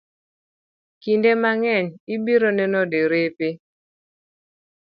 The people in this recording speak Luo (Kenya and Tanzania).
Kinde mang'eny, ibiro neno derepe